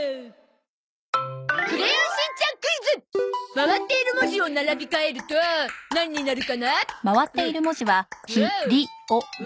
回っている文字を並び替えるとなんになるかな？